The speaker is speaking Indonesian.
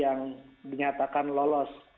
yang dinyatakan lolos